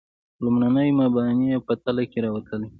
لومړني مباني یې په تله کې راوتلي.